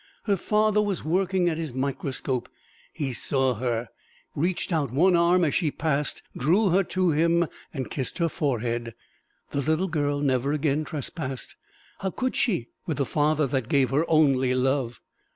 Her father was working at his microscope: he saw her, reached out one arm as she passed, drew her to him and kissed her forehead. The little girl never again trespassed how could she, with the father that gave her only love!